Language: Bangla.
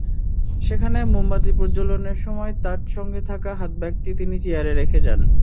সেখানে মোমবাতি প্রজ্বালনের সময় তাঁর সঙ্গে থাকা হাতব্যাগটি তিনি চেয়ারে রেখে যান।